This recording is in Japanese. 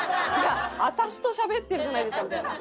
私としゃべってるじゃないですかみたいな。